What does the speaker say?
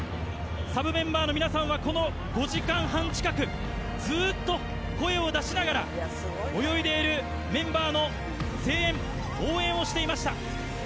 サブメンバーの皆さんはこの５時間半近くずっと声を出しながら泳いでいるメンバーの声援応援をしていました。